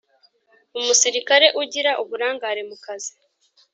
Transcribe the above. Umusirikare ugira uburangare mu kazi